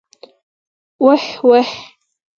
ويح ويح.